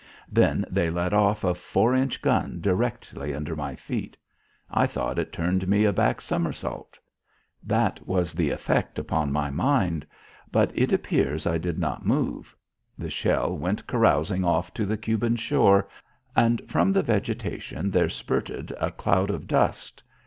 Then they let off a four inch gun directly under my feet. I thought it turned me a back somersault. That was the effect upon my mind. But it appears I did not move. The shell went carousing off to the Cuban shore, and from the vegetation there spirted a cloud of dust.